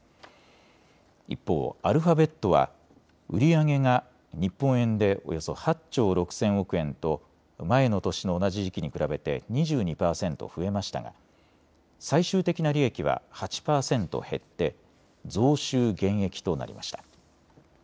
一方、アルファベットは売り上げが日本円でおよそ８兆６０００億円と前の年の同じ時期に比べて２２％増えましたが最終的な利益は８％減って増収減益となりました。